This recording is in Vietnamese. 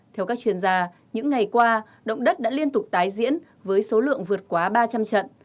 theo các chuyên gia những ngày qua động đất đã liên tục tái diễn với số lượng vượt quá ba trăm linh trận